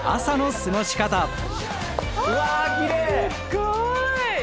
すっごい！